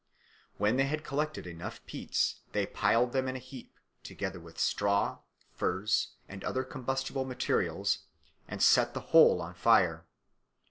When they had collected enough peats, they piled them in a heap, together with straw, furze, and other combustible materials, and set the whole on fire.